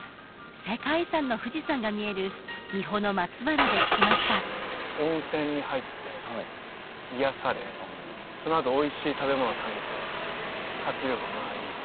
世界遺産の富士山が見える三保松原で聞きました温泉に入って癒やされそのあとおいしい食べ物食べて活力をもらい